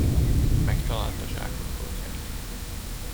Megtalálta zsák a foltját.